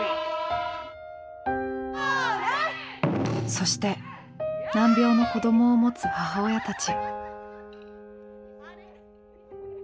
そして難病の子供をもつ母親たち。